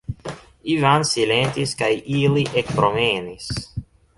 Ivan silentis kaj ili ekpromenis.